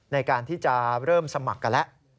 ในการที่จะเริ่มสมัครกันแล้ว